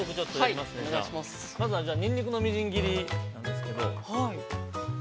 まずは、ニンニクのみじん切りなんですけど。